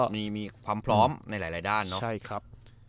มีความพร้อมในหลายด้านเนาะใช่ครับ